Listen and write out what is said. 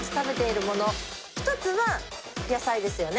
一つは野菜ですよね。